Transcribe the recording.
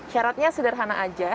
syaratnya sederhana saja